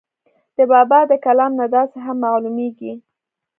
د بابا دَکلام نه داسې هم معلوميږي